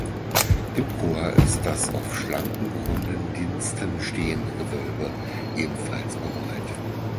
Im Chor ist das auf schlanken runden Diensten stehende Gewölbe ebenfalls bemalt.